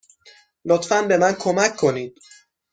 لطفا به من کمک کنید.